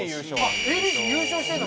あっＡＢＣ優勝してんの？